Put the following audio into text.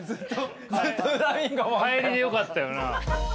帰りでよかったよな。